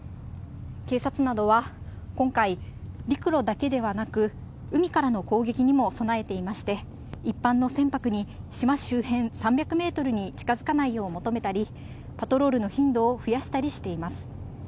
警察などは、今回、陸路だけではなく、海からの攻撃にも備えていまして、一般の船舶に島周辺３００メートルに近づかないよう求めたり、パトロールの頻度を増やしたりしています。